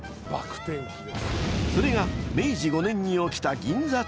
［それが明治５年に起きた］